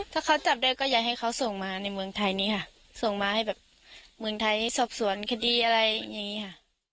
ถ้าเขาจับได้ก็อยากให้เขาส่งมาในเมืองไทยนี้ค่ะส่งมาให้แบบเมืองไทยสอบสวนคดีอะไรอย่างนี้ค่ะ